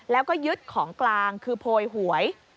แล้วก็ยึดของกลางคือโพยหวย